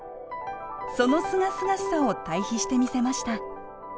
そのすがすがしさを対比してみせました。